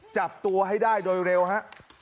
จับตัวให้ได้โดยเร็วฮะ